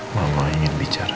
mama ingin bicara